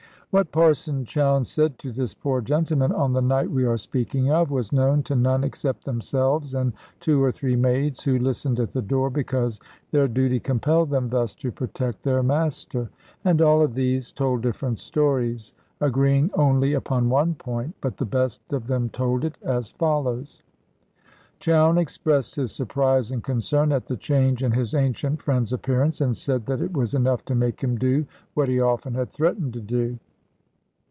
What Parson Chowne said to this poor gentleman, on the night we are speaking of, was known to none except themselves and two or three maids who listened at the door, because their duty compelled them thus to protect their master. And all of these told different stories, agreeing only upon one point; but the best of them told it, as follows. Chowne expressed his surprise and concern at the change in his ancient friend's appearance, and said that it was enough to make him do what he often had threatened to do.